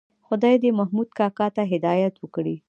خدای دې محمود کاکا ته هدایت وکړي.